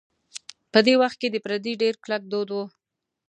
په دې وخت کې د پردې ډېر کلک دود و.